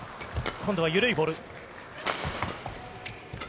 今度は緩いボール。